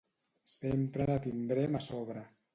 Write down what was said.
Sempre la tindrem a sobre.